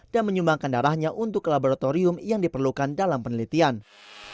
dan menyumbangkan darahnya untuk ke laboratorium yang diperlukan dalam penelitiannya